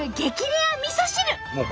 レアみそ汁。